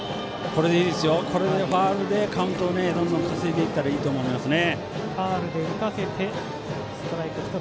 これでファウルでカウントをどんどん稼いでいったらいいと思いますね。